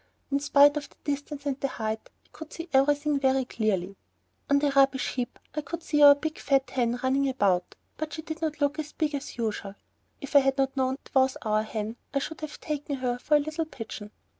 In spite of the distance and the height, I could see everything very clearly. On the rubbish heap I could see our big fat hen running about, but she did not look as big as usual; if I had not known that it was our hen, I should have taken her for a little pigeon.